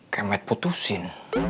kayak med putusin